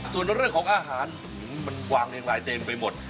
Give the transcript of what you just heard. อ๋อส่วนเรื่องของอาหารมันวางอย่างหลายเตรียมไปหมด